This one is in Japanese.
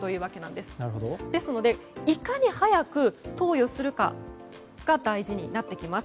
ですので、いかに早く投与するかが大事になります。